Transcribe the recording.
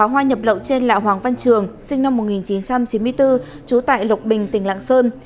hoa nhập lậu trên là hoàng văn trường sinh năm một nghìn chín trăm chín mươi bốn trú tại lộc bình tỉnh lạng sơn